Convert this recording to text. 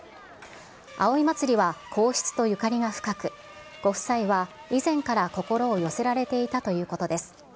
葵祭は皇室とゆかりが深く、ご夫妻は以前から心を寄せられていたということです。